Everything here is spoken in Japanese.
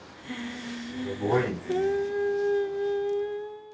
すごいね。